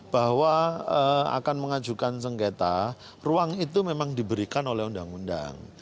bahwa akan mengajukan sengketa ruang itu memang diberikan oleh undang undang